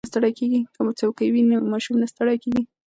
که څوکۍ وي نو ماشوم نه ستړی کیږي.